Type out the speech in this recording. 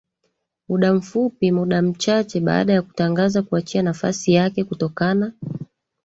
muda mfupi muda mchache baada ya kutangaza kuachia nafasi yake kutokana